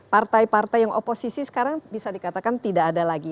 partai partai yang oposisi sekarang bisa dikatakan tidak ada lagi